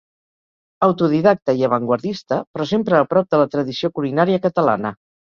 Autodidacta i avantguardista, però sempre a prop de la tradició culinària catalana.